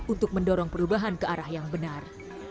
untuk mendorong perubahan ke arah yang benar